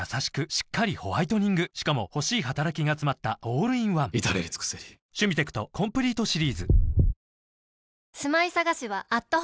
しっかりホワイトニングしかも欲しい働きがつまったオールインワン至れり尽せり「アタックＺＥＲＯ部屋干し」の新作。